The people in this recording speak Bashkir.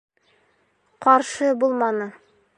Ҡаршы булманы.